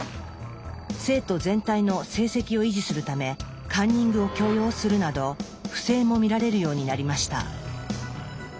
生徒全体の成績を維持するためカンニングを許容するなど不正も見られるようになりました。